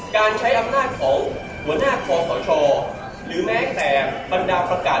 การใช้อำนาจของหัวหน้าคอสชหรือแม้แต่บรรดาประกาศ